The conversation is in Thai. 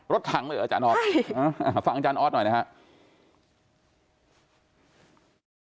ถังเลยเหรออาจารย์ออสฟังอาจารย์ออสหน่อยนะครับ